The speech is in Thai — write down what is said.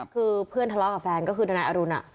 คือเพื่อนทะเลาะกับแฟนก็คือทนายอรุณ